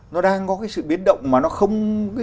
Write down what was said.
nó đang có cái sự biến động mà nó không